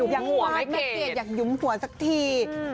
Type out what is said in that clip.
อยากหวานแม่เกรดอยากหยุมหัวสักที